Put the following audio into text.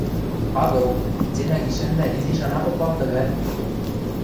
– Агыл, ценӓ гишӓннӓ изиш ана попалты вӓл?